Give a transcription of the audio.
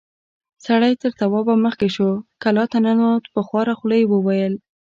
سړی تر توابه مخکې شو، کلا ته ننوت، په خواره خوله يې وويل: